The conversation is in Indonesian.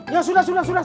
ya sudah sudah sudah